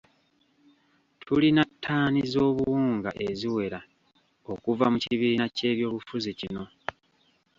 Tulina ttaani z'obuwunga eziwera okuva mu kibiina ky'ebyobufuzi kino.